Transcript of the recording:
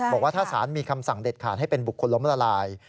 บอกว่าถ้าสารมีคำสั่งเด็ดขาดให้เป็นบุคคลล้มละลาย